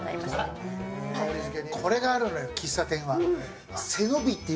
これがあるのよ、喫茶店は。